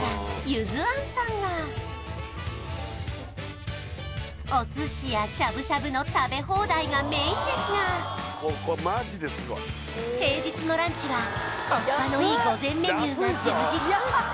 ゆず庵さんはお寿司やしゃぶしゃぶの食べ放題がメインですが平日のランチはコスパのいい御膳メニューが充実！